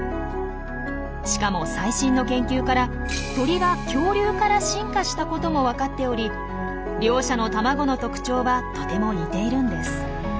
しかも最新の研究から鳥は恐竜から進化したことも分かっており両者の卵の特徴はとても似ているんです。